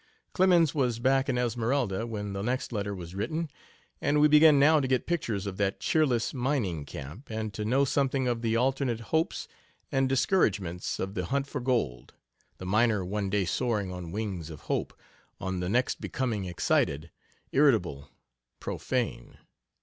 Clemens was back in Esmeralda when the next letter was written, and we begin now to get pictures of that cheerless mining camp, and to know something of the alternate hopes and discouragements of the hunt for gold the miner one day soaring on wings of hope, on the next becoming excited, irritable, profane.